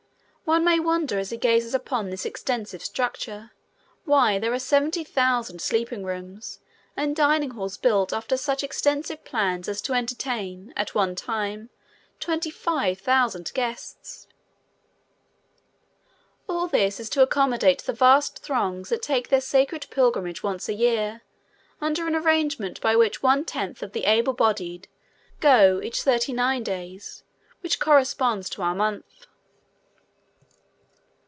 One may wonder as he gazes upon this extensive structure why there are seventy thousand sleeping rooms and dining halls built after such extensive plans as to entertain, at one time, twenty five thousand guests. All this is to accommodate the vast throngs that take their sacred pilgrimage once in a year under an arrangement by which one tenth of the able bodied go each thirty nine days, which corresponds to our month.